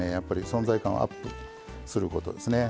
存在感をアップすることですね。